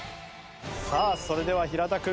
さあそれでは平田君。